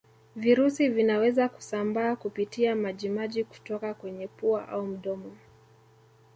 Virusi vinaweza kusambaa kupitia maji maji kutoka kwenye pua au mdomo